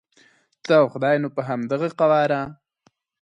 ته او خدای نو په همدغه قواره.